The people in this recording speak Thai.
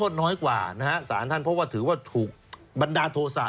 สาธารณ์ท่านพบว่าถือว่าถูกบรรดาโทษะ